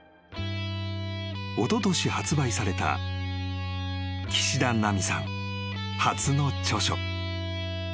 ［おととし発売された岸田奈美さん初の著書］